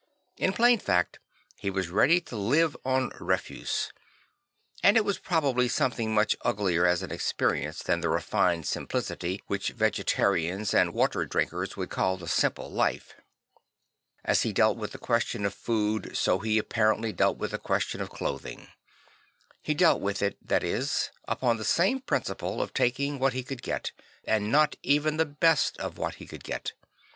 In plain fact he was ready to live on refuse; and it was probably something much uglier as an experience than the refined simplicity which vegetarians and water drinkers would call the simple life. As he dealt Francis the Builder 73 with the question of food, so he apparently dealt with the question of clothing. He dealt with it, that is, upon the same principle of taking what he could get, and not even the best of what he could get.